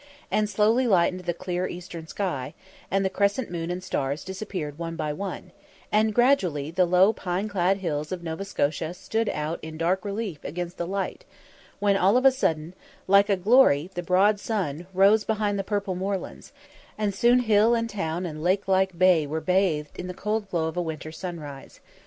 And slowly lightened the clear eastern sky, and the crescent moon and stars disappeared one by one, and gradually the low pine clad hills of Nova Scotia stood out in dark relief against the light, when, all of a sudden, "like a glory, the broad sun" rose behind the purple moorlands, and soon hill and town and lake like bay were bathed in the cold glow of a winter sunrise.